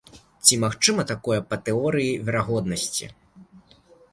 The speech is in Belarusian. Ці магчыма такое па тэорыі верагоднасці?